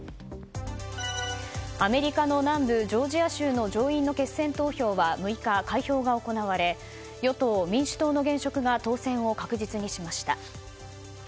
アメリカの南部ジョージア州の上院の決選投票は６日、開票が行われ与党・民主党の現職が当選を確実にしました。